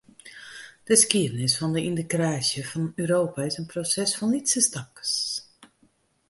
De skiednis fan de yntegraasje fan Europa is in proses fan lytse stapkes.